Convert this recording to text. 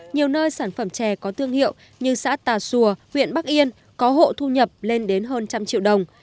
nhiều nơi sản phẩm trè có thương hiệu như xã tà xùa huyện bắc yên có hộ thu nhập lên đến hơn một trăm linh triệu đồng